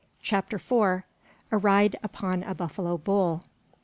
CHAPTER FOUR. A RIDE UPON A BUFFALO BULL.